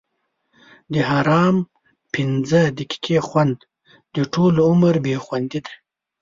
د حرام پنځه دقیقې خوند؛ د ټولو عمر بې خوندي ده.